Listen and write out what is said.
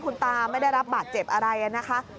คุณตาไม่ได้รับบาดเจ็บอะไรนะคะ